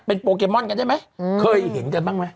เป็นโปเกมอนกันได้ไหมเคยเห็นกันบ้างไหม